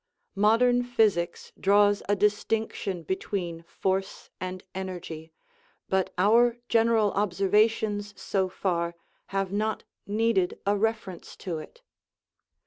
Modern physics draws a distinction between " force " and " energy/' but our general observations so far have not needed a reference to it.